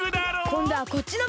こんどはこっちのばんだ！